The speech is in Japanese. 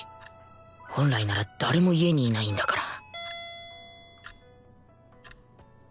本来なら誰も家にいないんだから